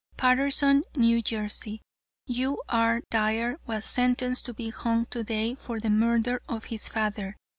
"Paterson, N. J.: U. R. Dire was sentenced to be hung today for the murder of his father.